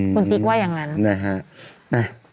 คุณติ๊กว่าอย่างนั้น